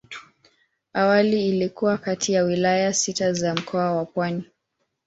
Awali ilikuwa kati ya wilaya sita za Mkoa wa Pwani.